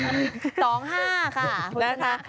๒๕ค่ะขออนุญาต